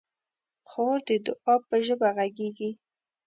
خور د دعا په ژبه غږېږي.